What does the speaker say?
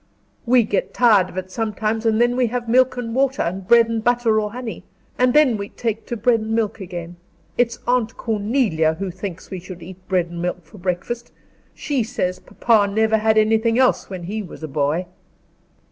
"We get tired of it sometimes and then we have milk and water, and bread and butter, or honey; and then we take to bread and milk again. It's Aunt Cornelia who thinks we should eat bread and milk for breakfast. She says papa never had anything else when he was a boy."